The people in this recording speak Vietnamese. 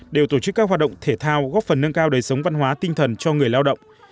đều tổ chức các hoạt động thể thao góp phần nâng cao đời sống văn hóa tinh thần cho người lao động